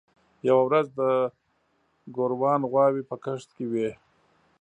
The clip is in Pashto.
یوه ورځ د ګوروان غواوې په کښت کې وې.